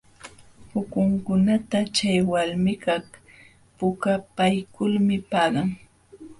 Pukunkunata chay walmikaq pukpaykulmi paqan.